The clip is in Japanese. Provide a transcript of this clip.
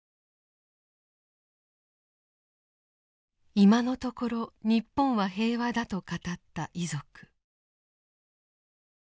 今のところ日本は平和だと語った遺族。